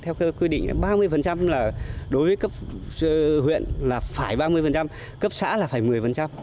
theo quy định ba mươi là đối với cấp huyện là phải ba mươi cấp xã là phải một mươi